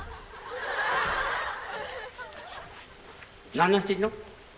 何してんの？